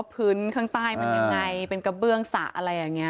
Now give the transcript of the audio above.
พื้นข้างใต้มันยังไงเป็นกระเบื้องสระอะไรอย่างนี้